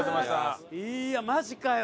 いやマジかよ！